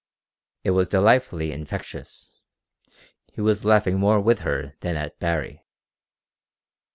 It was delightfully infectious; he was laughing more with her than at Baree.